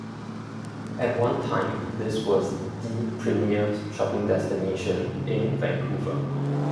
At one time this was the premiere shopping destination in Vancouver.